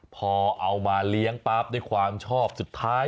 พอเอามาเลี้ยงปั๊บด้วยความชอบสุดท้าย